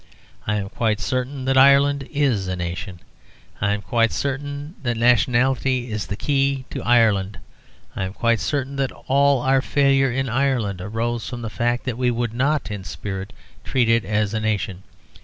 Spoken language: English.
I am quite certain that Ireland is a nation; I am quite certain that nationality is the key to Ireland; I am quite certain that all our failure in Ireland arose from the fact that we would not in spirit treat it as a nation.